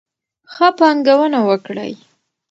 ښه پانګونه وکړئ.